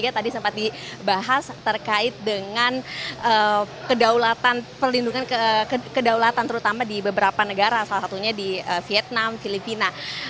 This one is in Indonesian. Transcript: dua ribu dua puluh tiga tadi sempat dibahas terkait dengan kedaulatan perlindungan kedaulatan terutama di beberapa negara salah satunya di vietnam filipina